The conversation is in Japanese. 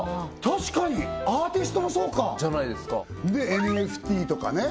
確かにアーティストもそうかじゃないですかでＮＦＴとかね